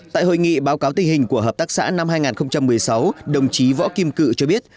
tại hội nghị báo cáo tình hình của hợp tác xã năm hai nghìn một mươi sáu đồng chí võ kim cự cho biết